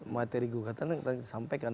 materi gugatan yang kita sampaikan